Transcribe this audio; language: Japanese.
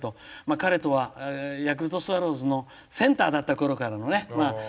彼とは、ヤクルトスワローズのセンターだったころからのね。